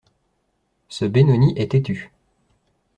Ce Benoni est têtu.